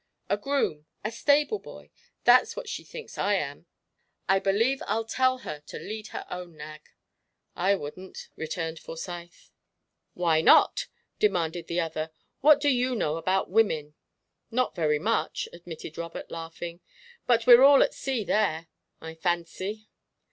A groom a stable boy, that's what she thinks I am! I believe I'll tell her to lead her own nag!" "I wouldn't," returned Forsyth. "Why not?" demanded the other. "What do you know about women?" "Not very much," admitted Robert, laughing; "but we're all at sea there, I fancy."